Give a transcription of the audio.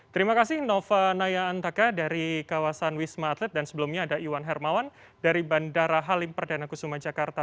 terima kasih nova naya antaka dari kawasan wisma atlet dan sebelumnya ada iwan hermawan dari bandara halim perdana kusuma jakarta